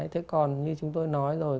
thế còn như chúng tôi nói rồi